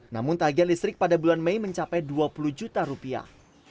namun tagihan listrik pada bulan mei mencapai dua puluh juta rupiah